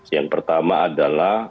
yang pertama adalah